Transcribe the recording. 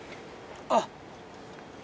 あっ。